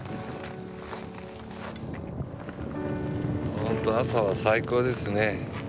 本当朝は最高ですね。